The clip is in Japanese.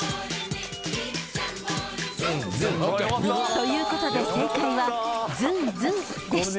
［ということで正解は「ズンズン」でした］